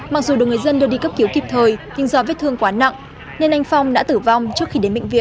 mặc dù được người dân đưa đi cấp cứu kịp thời nhưng do vết thương quá nặng nên anh phong đã tử vong trước khi đến bệnh viện